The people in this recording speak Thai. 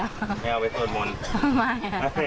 ไม่